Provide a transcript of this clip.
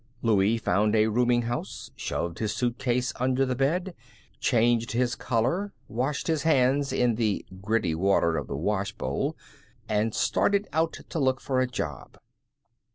Louie found a rooming house, shoved his suitcase under the bed, changed his collar, washed his hands in the gritty water of the wash bowl, and started out to look for a job.